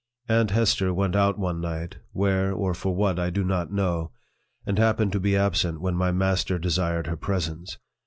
Aunt Hester went out one night, where or for what I do not know, and happened to be absent when my master desired her presence.